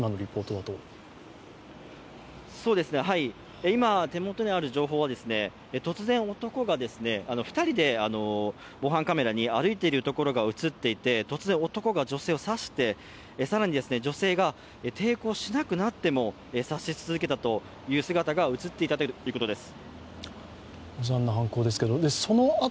そうですね、今手元にある情報は２人で防犯カメラに歩いているところが映っていて突然、男が女性を刺して、更に女性が抵抗しなくなっても刺し続けたという姿が映っていたということです。